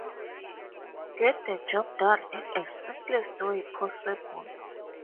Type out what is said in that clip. Get the job done in simplest way possible.